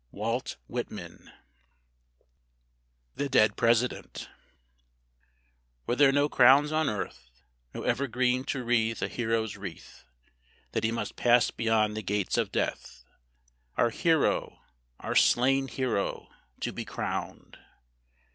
WALT WHITMAN. THE DEAD PRESIDENT Were there no crowns on earth, No evergreen to wreathe a hero's wreath, That he must pass beyond the gates of death, Our hero, our slain hero, to be crowned?